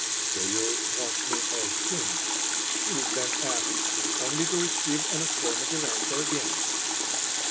"Do you want me as king?" he would then ask, only to receive and affirmative answer again.